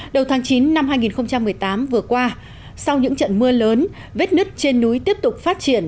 đầu tháng chín năm hai nghìn một mươi tám vừa qua sau những trận mưa lớn vết nứt trên núi tiếp tục phát triển